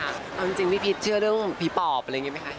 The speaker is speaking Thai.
เอาจริงพี่พีชเชื่อเรื่องผีปอบอะไรอย่างนี้ไหมคะ